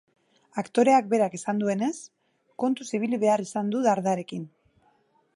Aktoreak berak esan duenez, kontuz ibili behar izan du dardarekin.